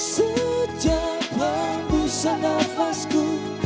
setiap hembusan nafasku